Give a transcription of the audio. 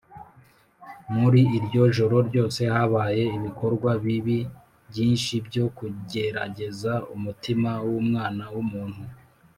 muri iryo joro ryose habaye ibikorwa bibi byinshi byo kugerageza umutima w’umwana w’umuntu